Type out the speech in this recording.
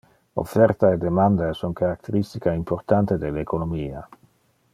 Offerta e demanda es un characteristica importante del economia.